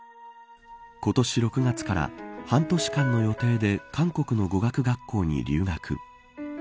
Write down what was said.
今年６月から半年間の予定で韓国の語学学校に留学。